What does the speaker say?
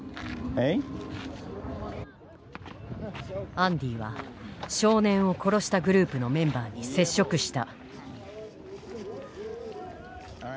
アンディは少年を殺したグループのメンバーに接触した。